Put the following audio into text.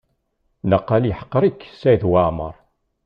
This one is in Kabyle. Naqal yeḥqer-ik Saɛid Waɛmaṛ.